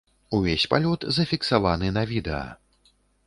Увесь палёт зафіксаваны на відэа.